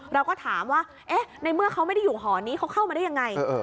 เราก็ถามว่าเอ๊ะในเมื่อเขาไม่ได้อยู่หอนี้เขาเข้ามาได้ยังไง